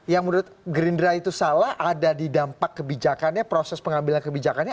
yang menurut gerindra itu salah ada di dampak kebijakannya proses pengambilan kebijakannya